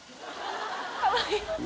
かわいい。